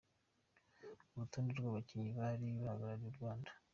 Urutonde rw’abakinnyi bari bahagarariye u Rwanda.